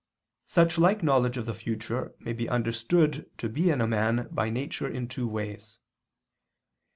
Such like knowledge of the future may be understood to be in a man by nature in two ways.